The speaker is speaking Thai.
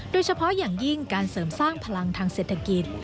โดยเฉพาะอย่างยิ่งการเสริมสร้างพลังทางเศรษฐกิจ